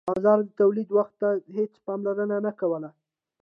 بازار د تولید وخت ته هیڅ پاملرنه نه کوله.